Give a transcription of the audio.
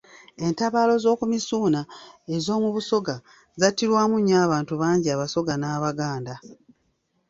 Entabaalo z'oku Misuuna ez'omu Busoga zattirwamu nnyo abantu bangi Abasoga n'Abaganda.